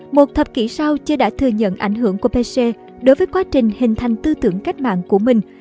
một thập kỷ sau ché đã thừa nhận ảnh hưởng của pc đối với quá trình hình thành tư tưởng cách mạng của mình